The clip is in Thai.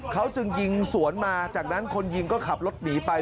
เขาจึงยิงสวนมาจากนั้นคนยิงก็ขับรถหนีไป